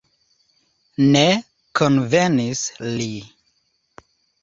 Ne konvenis li.